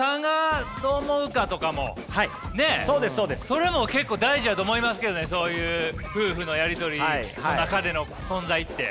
それも結構大事やと思いますけどねそういう夫婦のやり取りの中での存在って。